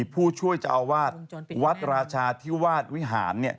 ผู้ช่วยเจ้าวาดวัดราชาที่วาดวิหาร